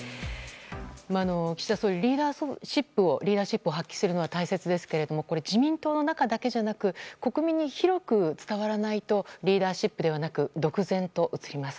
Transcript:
岸田総理、リーダーシップを発揮するのは大切ですけど自民党の中だけじゃなく国民に広く伝わらないとリーダーシップではなく独善と映ります。